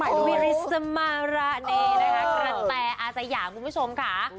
กระแตอาสยาคุณผู้ชมค่ะ